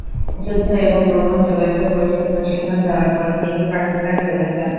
যুদ্ধ এবং গোপন যোগাযোগ কৌশল প্রশিক্ষণ দেওয়ার পর, তিনি পাকিস্তান চলে যান।